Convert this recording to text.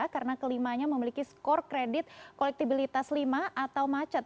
karena kelimanya memiliki skor kredit kolektibilitas lima atau macet